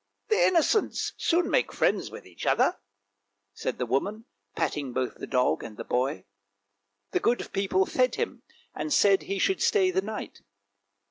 " The innocents soon make friends with each other! " said the woman, patting both the dog and the boy. The good people fed him, and said he should stay the night.